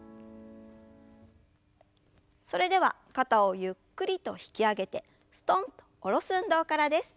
それでは肩をゆっくりと引き上げてすとんと下ろす運動からです。